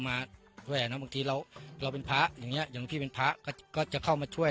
บางทีเราเป็นพระอย่างนี้อย่างพี่เป็นพระก็จะเข้ามาช่วย